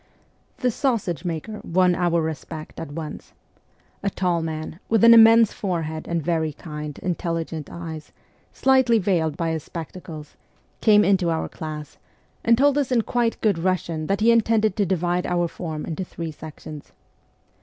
' The sausage maker ' won our respect at once. A tall man, with an immense forehead and very kind, intelligent eyes, slightly veiled by his spectacles, came into our class, and told us in quite good Russian that he intended to divide our form into three sections.